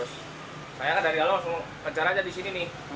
saya kan dari allah langsung kejar aja di sini nih